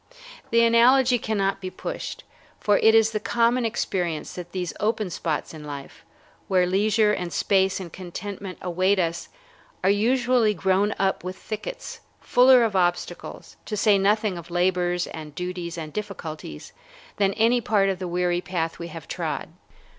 The analogy cannot be pushed, for it is the common experience that these open spots in life, where leisure and space and contentment await us, are usually grown up with thickets, fuller of obstacles, to say nothing of labors and duties and difficulties, than any part of the weary path we have trod.